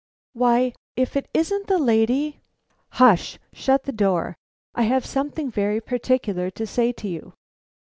"Why, if it isn't the lady " "Hush! Shut the door. I have something very particular to say to you."